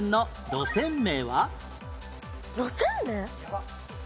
路線名？